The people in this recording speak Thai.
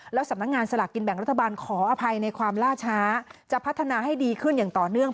แล้วสำนักงานสลากกินแบ่งรัฐบาลขออภัยในความล่าช้าจะพัฒนาให้ดีขึ้นอย่างต่อเนื่อง